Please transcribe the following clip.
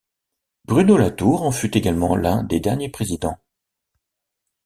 Bruno Latour en fut également l'un des derniers présidents.